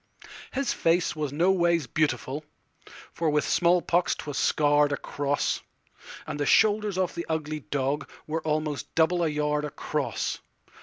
His face was no ways beautiful, For with small pox 't was scarr'd across; And the shoulders of the ugly dogWere almost double a yard across.